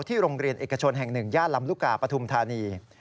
โรงเรียนเอกชนแห่ง๑ย่านลำลูกกาปฐุมธานี